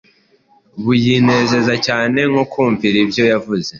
buyinezeza cyane nko kumvira ibyo yavuze.